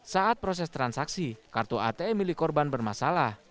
saat proses transaksi kartu atm milik korban bermasalah